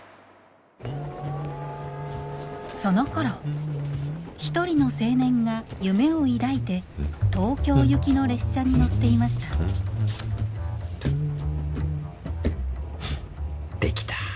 そのころ一人の青年が夢を抱いて東京行きの列車に乗っていました出来た。